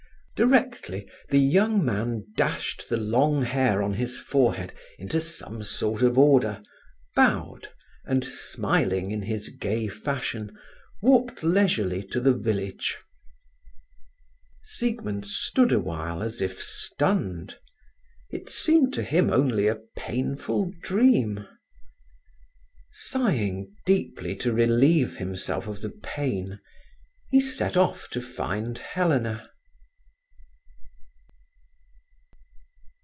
Directly, the young man dashed the long hair on his forehead into some sort of order, bowed, and smiling in his gay fashion, walked leisurely to the village. Siegmund stood awhile as if stunned. It seemed to him only a painful dream. Sighing deeply to relieve himself of the pain, he set off to find Helena.